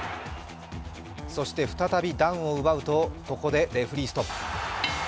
そして再びダウンを奪うとここでレフェリーストップ。